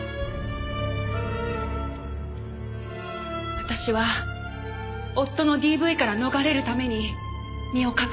私は夫のＤＶから逃れるために身を隠していました。